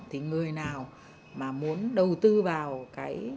thì người nào mà muốn đầu tư vào cái